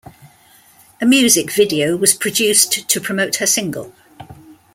A music video was produced to promote her single.